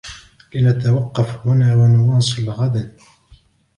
لنتوقف هنا و نواصل غدا.